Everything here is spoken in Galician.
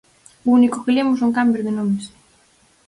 O único que lemos son cambios de nomes.